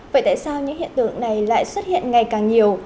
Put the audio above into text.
vậy tại sao những hiện tượng này lại xuất hiện ngày càng nhiều